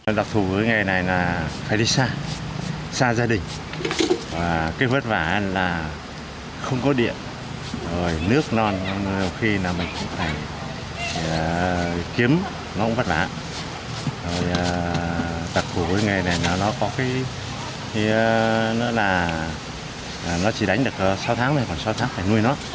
nó có cái thì nó là nó chỉ đánh được sáu tháng thôi còn sao chắc phải nuôi nó